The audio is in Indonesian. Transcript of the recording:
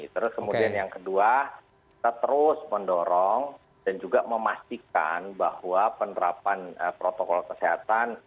terus kemudian yang kedua kita terus mendorong dan juga memastikan bahwa penerapan protokol kesehatan